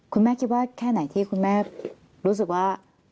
คุณแม่คิดว่าแค่ไหนที่คุณแม่รู้สึกว่า